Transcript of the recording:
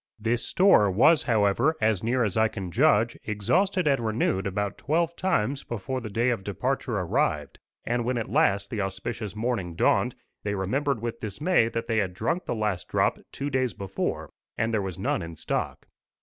This store was, however, as near as I can judge, exhausted and renewed about twelve times before the day of departure arrived; and when at last the auspicious morning dawned, they remembered with dismay that they had drunk the last drop two days before, and there was none in stock.